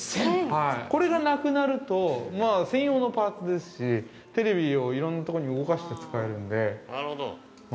これがなくなると、専用のパーツですし、テレビをいろいろなところに動かして使えるので。